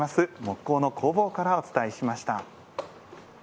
木工の工房からお伝えしました。